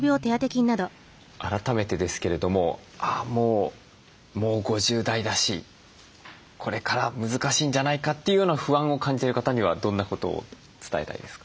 改めてですけれどももう５０代だしこれから難しいんじゃないかというような不安を感じてる方にはどんなことを伝えたいですか？